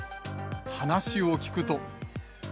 話を聞くと。